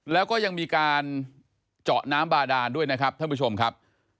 แล้วก็ยังมีการเจาะน้ำบาดานด้วยนะครับท่านผู้ชมครับ